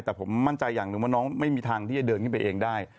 แต่ผมมั่นใจอย่างหนึ่งว่าน้องไม่มีทางที่จะเดินขึ้นไปเองได้